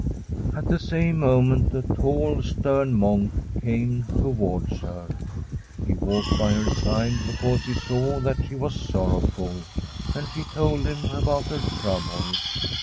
* At the same moment a tall, stern monk came towards her. He walked by her side because he saw that she was sorrowful, and she told him about her troubles.